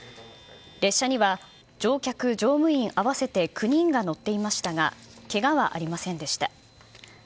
列車には、乗客・乗務員合わせて９人が乗っていましたが、けがはありませんでした。